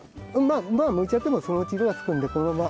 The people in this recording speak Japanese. まあむいちゃってもそのうち色がつくんでこのまま。